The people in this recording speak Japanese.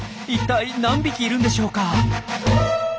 一体何匹いるんでしょうか？